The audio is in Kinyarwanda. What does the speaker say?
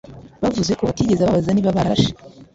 bavuze ko atigeze ababaza niba bararashe,